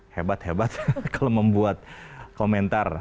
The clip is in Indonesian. hebat hebat kalau membuat komentar